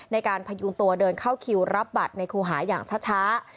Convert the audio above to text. พยุงตัวเดินเข้าคิวรับบัตรในครูหาอย่างช้า